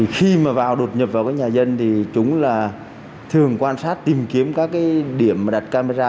khi mà vào đột nhập vào nhà dân thì chúng là thường quan sát tìm kiếm các điểm đặt camera